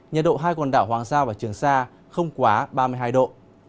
nhiệt độ hai quần đảo hoàng sa và trường sa không quá ba mươi hai độ